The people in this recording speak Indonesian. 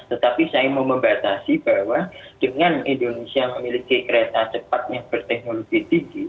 tetapi saya mau membatasi bahwa dengan indonesia memiliki kereta cepat yang berteknologi tinggi